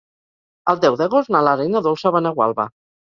El deu d'agost na Lara i na Dolça van a Gualba.